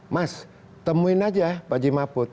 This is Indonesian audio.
mas temuin aja pak haji mahfud